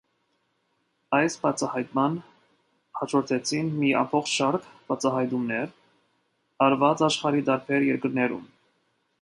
Այս բացահայտմանը հաջորդեցին մի ամբողջ շարք բացահայտումներ՝ արված աշխարհի տարբեր երկրներում։